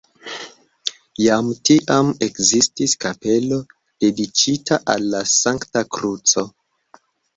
Jam tiam ekzistis kapelo dediĉita al la Sankta Kruco.